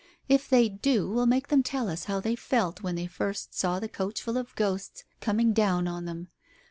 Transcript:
If they do, we'll make them tell us how they felt, when they first saw the coachful of ghosts coming down on them.